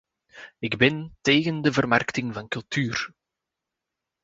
Ik ben tegen de vermarkting van cultuur.